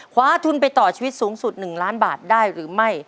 คว้าทุนไปต่อชีวิตสูงสุด๑ล้านบาทได้หรือไม่